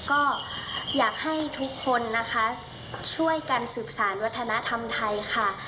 ก็อยากให้ทุกคนนะคะช่วยกันสืบสารวัฒนธรรมไทยค่ะ